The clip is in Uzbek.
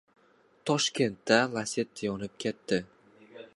Toshkentda "Lacetti" yonib ketdi